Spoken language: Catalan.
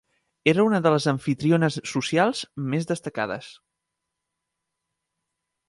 Era una de les amfitriones socials més destacades.